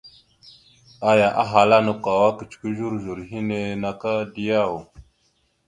Aya ahala: « Nakw kawa kecəkwe zozor henne naka da yaw? ».